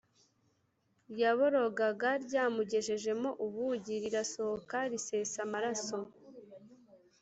Yaborogaga ryamugejejemo ubugi rirasohoka risesa amaraso,